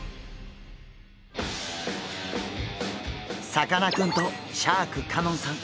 さかなクンとシャーク香音さん